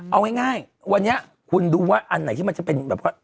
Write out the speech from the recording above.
เอาง่ายวันนี้คุณดูว่าอันไหนที่มันจะเป็นแบบว่า